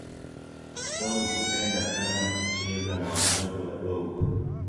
blob hupenda sana kucheza na watoto wadogo